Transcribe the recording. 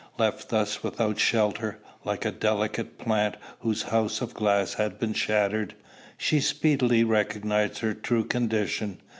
Left thus without shelter, like a delicate plant whose house of glass has been shattered, she speedily recognized her true condition.